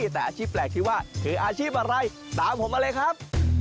แต่อาชีพแปลกที่ว่าคืออาชีพอะไรตามผมมาเลยครับ